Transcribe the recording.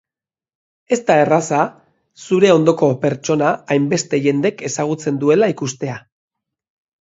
Ez da erraza zure ondoko pertsona hainbeste jendek ezagutzen duela ikustea.